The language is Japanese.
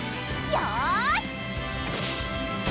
よし！